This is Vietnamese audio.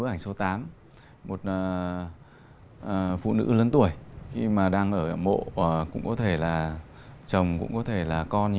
bức ảnh số tám một phụ nữ lớn tuổi khi mà đang ở mộ và cũng có thể là chồng cũng có thể là con